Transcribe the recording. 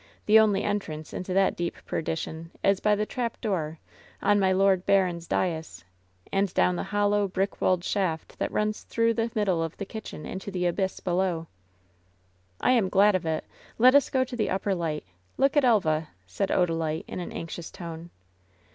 The only entrance into that deep perdition is by the trap door, on my lord baron's dais, and down the hollow, brick walled shaft that runs through the middle of the kitchen into the abyss below." LOVE'S BITTEREST CUP 861 "I am Rlad of it Let us go to the upper light. Look at Elva 1" said Odalite, in an anxious tone.